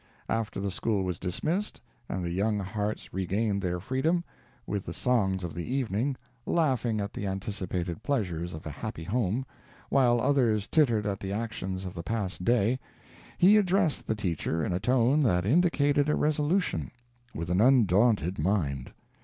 After the school was dismissed, and the young hearts regained their freedom, with the songs of the evening, laughing at the anticipated pleasures of a happy home, while others tittered at the actions of the past day, he addressed the teacher in a tone that indicated a resolution with an undaunted mind.